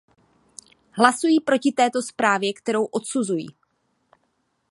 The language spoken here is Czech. Hlasuji proti této zprávě, kterou odsuzuji.